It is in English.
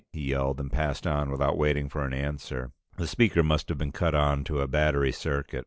he yelled, and passed on without waiting for an answer. The speaker must have been cut on to a battery circuit.